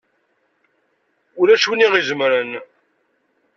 Ulac win i ɣ-izemren!